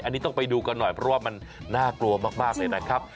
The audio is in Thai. อันนี้ต้องไปดูกันหน่อยเพราะว่ามันน่ากลัวมากเลยนะครับ